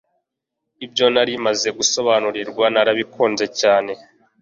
Ibyo nari maze gusobanukirwa narabikunze cyane